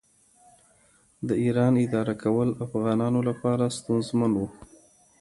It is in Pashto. د ایران اداره کول افغانانو لپاره ستونزمن و.